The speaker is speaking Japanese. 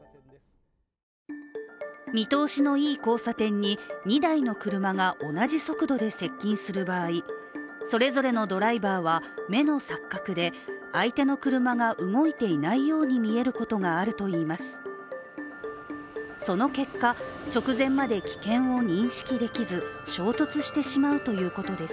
見通しのいい交差点に２台の車が同じ速度で接近する場合それぞれのドライバーは目の錯覚で相手の車が動いていないように見えることがあるといいます。